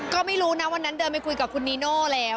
ก็ไม่รู้นะวันนั้นเดินไปคุยกับคุณนีโน่แล้ว